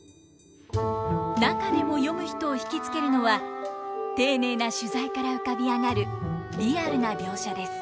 中でも読む人を引き付けるのは丁寧な取材から浮かび上がるリアルな描写です。